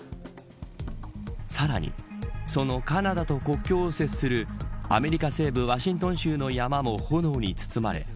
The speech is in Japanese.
さらにそのカナダと国境を接するアメリカ西部ワシントン州の山も炎に包まれ